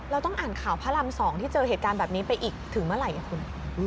ต้องอ่านข่าวพระราม๒ที่เจอเหตุการณ์แบบนี้ไปอีกถึงเมื่อไหร่คุณ